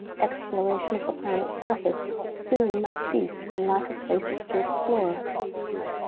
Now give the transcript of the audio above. Exploration of the planet's surface soon must cease from lack of places to explore.